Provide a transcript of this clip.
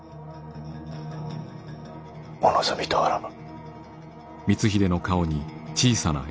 お望みとあらば。